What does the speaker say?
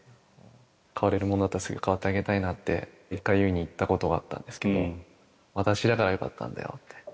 代われるものだったらすぐ代わってあげたいなって、一回優生に言ったことがあったんですけど、私だからよかったんだよって。